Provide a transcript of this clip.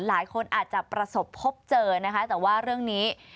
หลายคนอาจจะประสบพบเจอนะคะแต่ว่าเรื่องนี้